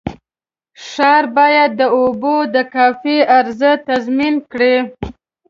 ښار باید د اوبو د کافي عرضه تضمین کړي.